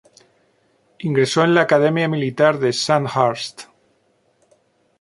Ingresó en la Academia Militar de Sandhurst.